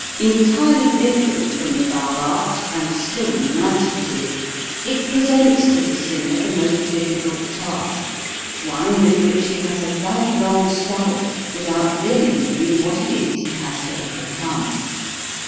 Entirely different from the vowel art and still united to it, it presents to the singer the most difficult task, one with which he has a lifelong struggle without really knowing what it is he has to overcome.